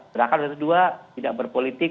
gerakan dua ratus dua belas tidak berpolitik